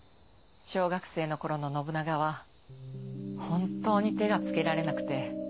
小学生の頃の信長は本当に手が付けられなくて。